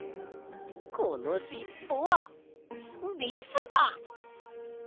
このしっぽはリスだ！